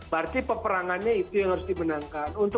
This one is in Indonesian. berarti peperangannya itu yang harus dimenangkan